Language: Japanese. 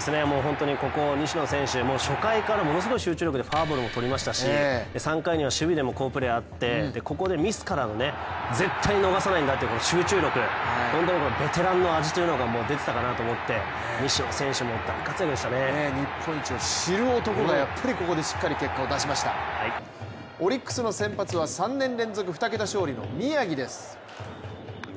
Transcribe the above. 西野選手、初回からものすごい集中力でフォアボールとりましたし３回には守備でも好プレーあって、ここでミスからの絶対逃さないんだという集中力、ベテランの味が出てたかなと思って日本一を知る男がオリックスの先発は、３年連続２桁勝利の宮城です。